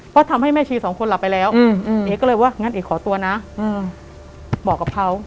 เพราะทำให้แม่ชีสองคนหลับไปแล้วเอกก็เลยว่างั้นเอ๋ขอตัวนะบอกกับเขา